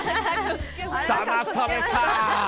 だまされた。